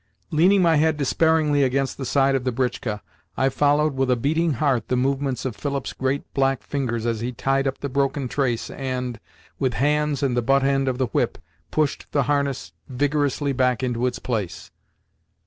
Leaning my head despairingly against the side of the britchka, I followed with a beating heart the movements of Philip's great black fingers as he tied up the broken trace and, with hands and the butt end of the whip, pushed the harness vigorously back into its place.